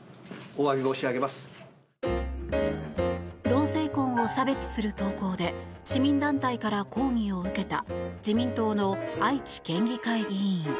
同性婚を差別する投稿で市民団体から抗議を受けた自民党の愛知県議会議員。